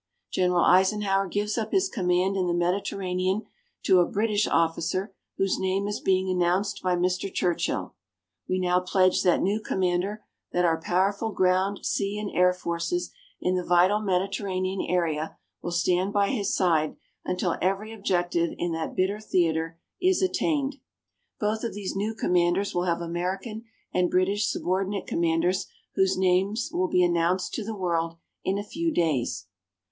General Eisenhower gives up his command in the Mediterranean to a British officer whose name is being announced by Mr. Churchill. We now pledge that new Commander that our powerful ground, sea and air forces in the vital Mediterranean area will stand by his side until every objective in that bitter theatre is attained. Both of these new Commanders will have American and British subordinate Commanders whose names will be announced to the world in a few days.